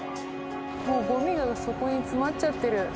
ごみが底に詰まっちゃってる。